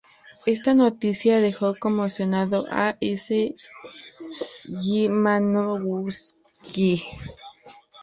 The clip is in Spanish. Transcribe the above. Esta noticia dejó conmocionado a Szymanowski.